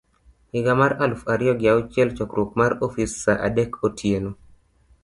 higa mar aluf ariyo gi auchiel Chokruok mar Ofis Saa adek Otieno